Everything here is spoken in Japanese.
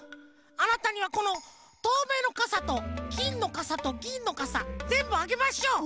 あなたにはこのとうめいのかさときんのかさとぎんのかさぜんぶあげましょう！